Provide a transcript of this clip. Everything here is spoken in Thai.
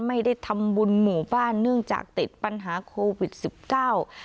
ไม่ได้ทำบุญหมู่บ้านเนื่องจากติดปัญหาโควิดสิบเก้า